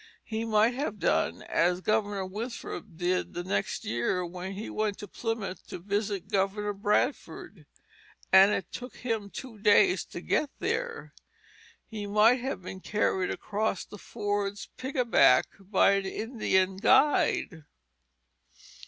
He might have done as Governor Winthrop did the next year when he went to Plymouth to visit Governor Bradford (and it took him two days to get there); he might have been carried across the fords pickaback by an Indian guide.